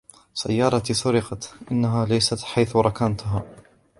سيارتي سرقت, انها ليس حيث ركنتها.